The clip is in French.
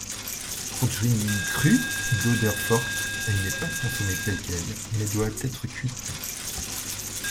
Produit cru, d'odeur forte, elle n'est pas consommée telle quelle, mais doit être cuite.